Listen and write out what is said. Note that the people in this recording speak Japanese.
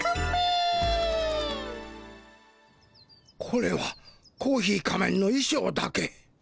これはコーヒー仮面のいしょうだけ。